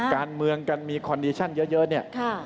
การเมืองกันมีคอนเดชั่นเยอะ